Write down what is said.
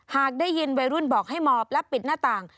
หากได้ยินวัยรุ่นบอกให้หมอบและปิดหน้าต่าง